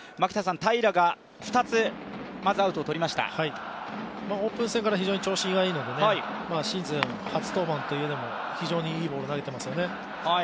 平良が２つまずアウトをとりましたオープン戦から非常に調子がいいのでシーズン初登板というのも非常にいいボールを投げていますよね。